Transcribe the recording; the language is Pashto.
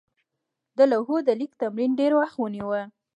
د لوحو د لیک تمرین ډېر وخت ونیوه.